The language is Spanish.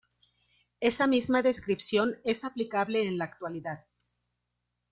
Esa misma descripción es aplicable en la actualidad.